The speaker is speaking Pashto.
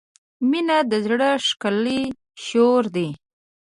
• مینه د زړۀ ښکلی شور دی.